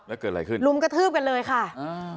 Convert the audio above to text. แล้วเกิดอะไรขึ้นลุมกระทืบกันเลยค่ะอ่า